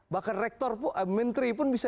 bahkan rektor menteri pun bisa